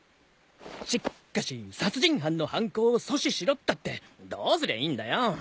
しっかし殺人犯の犯行を阻止しろったってどうすりゃいいんだよ？